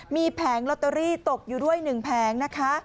มีแผงลอตเตอรี่ตกอยู่ด้วย๑แผงนะคะ